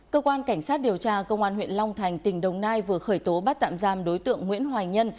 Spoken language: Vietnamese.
cơ quan cảnh sát điều tra công an huyện long thành tỉnh đồng nai vừa khởi tố bắt tạm giam đối tượng nguyễn hoài nhân